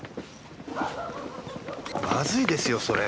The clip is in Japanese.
まずいですよそれ。